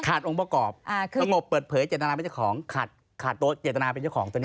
องค์ประกอบสงบเปิดเผยเจตนาเป็นเจ้าของขาดขาดเจตนาเป็นเจ้าของตัวนี้